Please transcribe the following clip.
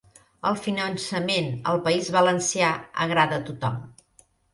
El finançament al País Valencià agrada a tothom